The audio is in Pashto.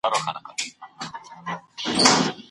مېرمني ته د ډالۍ ورکول څومره ارزښت لري؟